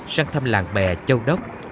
sang thăm làng bè châu đốc